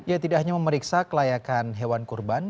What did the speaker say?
ya tidak hanya memeriksa kelayakan hewan kurban